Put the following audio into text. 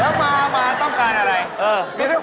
แล้วมาต้องการอะไร